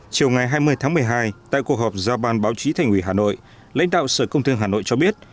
chiều ngày hai mươi tháng một mươi hai tại cuộc họp giao ban báo chí thành ủy hà nội lãnh đạo sở công thương hà nội cho biết